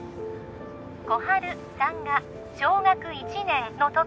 心春さんが小学１年の時